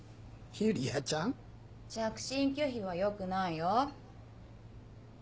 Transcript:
ユリアちゃん？着信拒否はよくないよ。